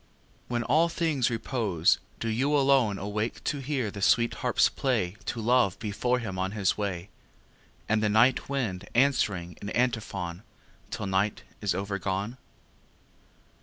When all things repose, do you alone Awake to hear the sweet harps play To Love before him on his way, And the night wind answering in antiphon Till night is overgone?